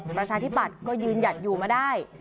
ประชาธิปัตย์ก็ยืนหยัดอยู่มาได้